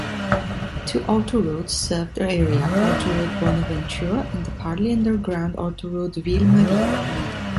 Two autoroutes serve the area: Autoroute Bonaventure and the partly underground Autoroute Ville-Marie.